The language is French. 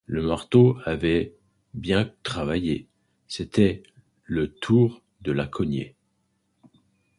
Le marteau avait bien travaillé, c’était le tour de la cognée.